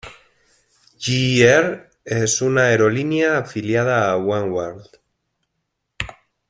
J-Air es una aerolínea afiliada de Oneworld.